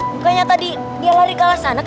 bukannya tadi dia lari ke sana kak